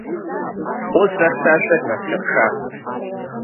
Хәыцра хьшәашәак насхьырша.